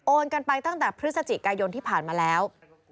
กันไปตั้งแต่พฤศจิกายนที่ผ่านมาแล้ว